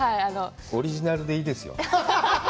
オリジナルでいいですよ。